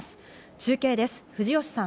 中継です、藤吉さん。